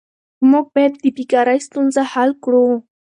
موږ باید د بیکارۍ ستونزه حل کړو.